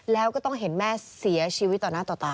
แล้วก็ต้องเห็นแม่เสียชีวิตต่อหน้าต่อตา